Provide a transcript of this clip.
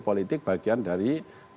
politik bagian dari